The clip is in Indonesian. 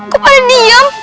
kok pada diam